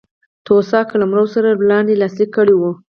د توسا قلمرو سره له وړاندې لاسلیک کړی و.